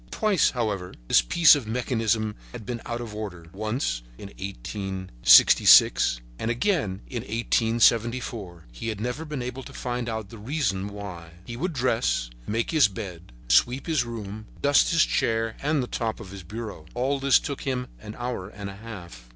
Twice, however, this piece of mechanism had been out of order—once in 1866 and again in 1874; he had never been able to find out the reason why. He would dress, make his bed, sweep his room, dust his chair and the top of his bureau. All this took him an hour and a half.